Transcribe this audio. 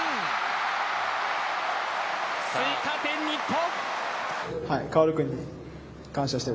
追加点、日本。